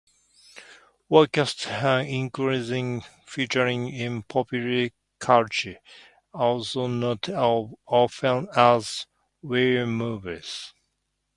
Werecats are increasingly featured in popular culture, although not as often as werewolves.